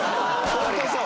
ホントにそう！